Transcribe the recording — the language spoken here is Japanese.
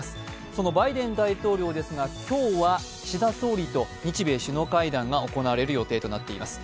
そのバイデン大統領ですが、今日は岸田総理と日米首脳会談が行われる予定となっています。